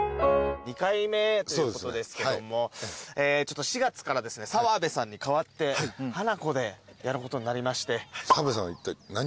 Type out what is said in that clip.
２回目ということですけども４月からですね澤部さんに代わってハナコでやることになりまして。